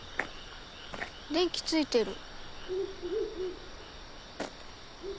電気ついてる。